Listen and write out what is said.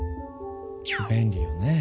便利よね。